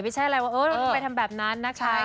ไม่ใช่อะไรว่าเออเราต้องไปทำแบบนั้นนะคะ